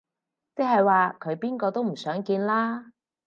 即係話佢邊個都唔想見啦